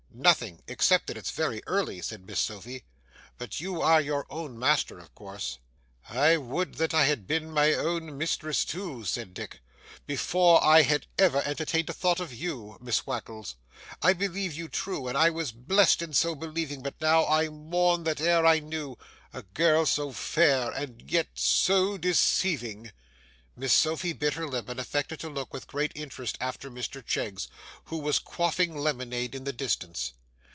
'Nothing, except that it's very early,' said Miss Sophy; 'but you are your own master, of course.' 'I would that I had been my own mistress too,' said Dick, 'before I had ever entertained a thought of you. Miss Wackles, I believed you true, and I was blest in so believing, but now I mourn that e'er I knew, a girl so fair yet so deceiving.' Miss Sophy bit her lip and affected to look with great interest after Mr Cheggs, who was quaffing lemonade in the distance.